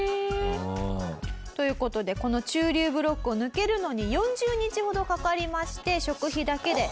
うん。という事でこの中流ブロックを抜けるのに４０日ほどかかりまして食費だけで４万円。